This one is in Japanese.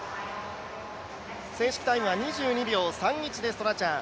正式タイムは２２秒３１でストラチャン。